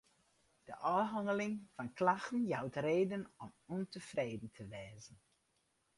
De ôfhanneling fan klachten jout reden om ûntefreden te wêzen.